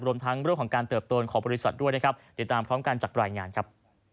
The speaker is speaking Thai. รวมทั้งเรื่องของการเติบโตของบริษัทด้วยนะครับติดตามพร้อมกันจากรายงานครับ